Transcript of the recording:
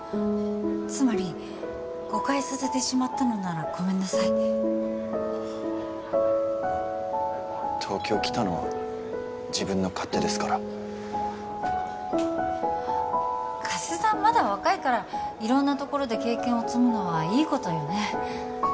つまり誤解させてしまったのならごめんなさいああまあ東京来たのは自分の勝手ですから加瀬さんまだ若いから色んな所で経験を積むのはいいことよね